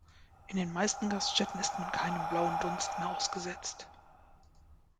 In den meisten Gaststätten ist man keinem blauen Dunst mehr ausgesetzt.